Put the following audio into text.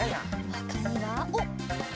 ほかにはおっ！